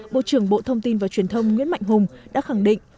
bộ trưởng bộ thông tin và truyền thông nguyễn mạnh hùng đã khẳng định